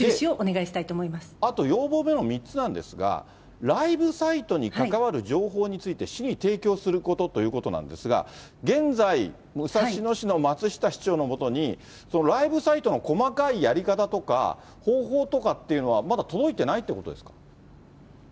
あと、要望の３つなんですが、ライブサイトに関わる情報について、市に提供することということなんですが、現在、武蔵野市の松下市長のもとに、ライブサイトの細かいやり方とか、方法とかっていうのは、まだ届いてないっていうことですか？